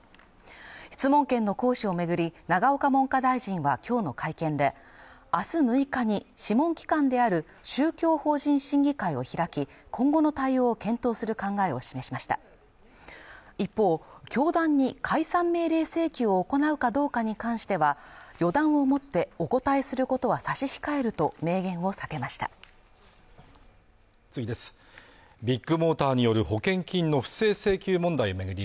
質問権の行使をめぐり永岡文科大臣はきょうの会見で明日６日に諮問機関である宗教法人審議会を開き今後の対応を検討する考えを示しました一方、教団に解散命令請求を行うかどうかに関しては予断を持ってお答えすることは差し控えると明言を避けましたビッグモーターによる保険金の不正請求問題を巡り